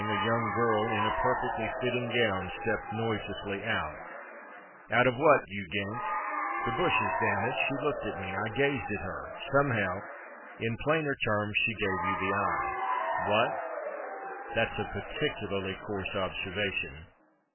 a young girl in—a perfectly fitting gown stepped noiselessly out." "Out of what, you gink?" "The bushes, dammit!... She looked at me; I gazed at her. Somehow—" "In plainer terms, she gave you the eye. What?" "That's a peculiarly coarse observation."